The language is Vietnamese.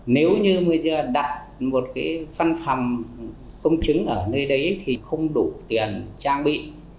nếu như đặt một phân phòng công chứng ở nơi đấy thì không đủ tiền trang bị